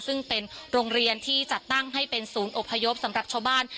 ซึ่งเป็นโรงเรียนที่จัดตั้งให้เป็นศูนย์อบพยพสำหรับชาวบ้าน